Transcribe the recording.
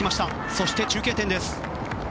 そして中継点です。